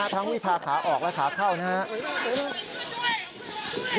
ก็จะถึงประตูหรือว่าตอนนี้เจ้าหน้าที่กันไว้ทั้งสองฝั่งแล้วใช่มั้ยครับ